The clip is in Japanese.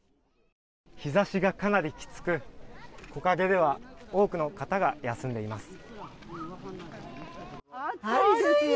日差しがかなりきつく木陰では多くの方が休んでいます。